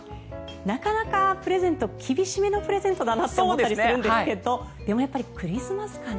なかなかプレゼント厳しめのプレゼントだなと思ったりもするんですけどでもやっぱりクリスマスかな。